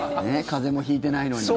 風邪も引いてないのに。